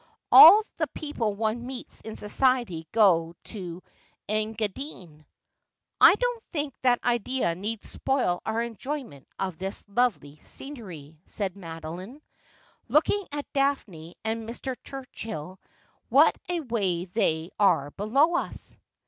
All the people one meets in society go to the Engadine.' ' I don't think that idea need spoil our enjoyment of this lovely scenery,' said Madoline. ' Look at Daphne and Mr. Turchill, what a way they are below us